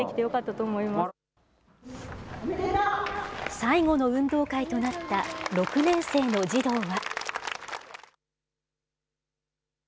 最後の運動会となった６年生の児童は。